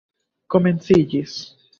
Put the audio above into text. komenciĝis